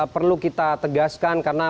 perlu kita tegaskan karena